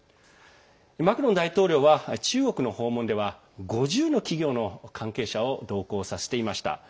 マクロン大統領は中国の訪問では５０の企業の関係者を同行させていました。